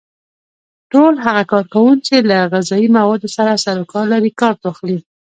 ټول هغه کارکوونکي چې له غذایي موادو سره سرو کار لري کارت واخلي.